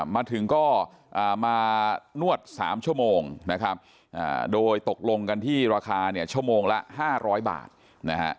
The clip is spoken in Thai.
มาถึงก็มานวด๓ชั่วโมงนะครับโดยตกลงกันที่ราคาเนี่ยชั่วโมงละ๕๐๐บาทนะฮะ